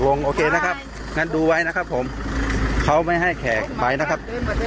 โอเคนะครับงั้นดูไว้นะครับผมเขาไม่ให้แขกไปนะครับ